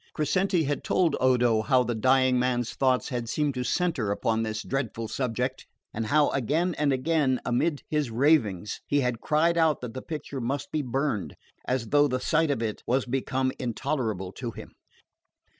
Crescenti had told Odo how the dying man's thoughts had seemed to centre upon this dreadful subject, and how again and again, amid his ravings, he had cried out that the picture must be burned, as though the sight of it was become intolerable to him.